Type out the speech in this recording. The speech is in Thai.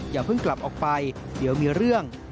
อย่าเพิ่งกลับออกไปเดี๋ยวมีเรื่อง